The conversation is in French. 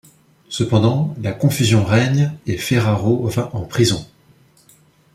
Cependant, la confusion règne et Ferraro va en prison.